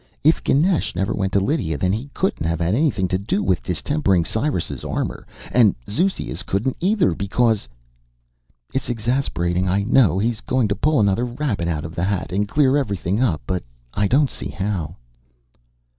If Ganesh never went to Lydia, then he couldn't have had anything to do distempering Cyrus's armor. And Zeuxias couldn't, either, because " "It's exasperating. I know he's going to pull another rabbit out of the hat and clear everything up, but I don't see how."